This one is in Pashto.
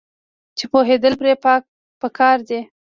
چې پوهیدل پرې پکار دي.